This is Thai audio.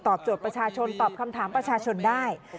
โจทย์ประชาชนตอบคำถามประชาชนได้